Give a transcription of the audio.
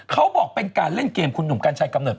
เขาบอกเป็นการเล่นเกมคุณหนุ่มกัญชัยกำเนิ